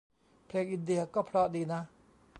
เพลงอินเดียก็เพราะดีนะ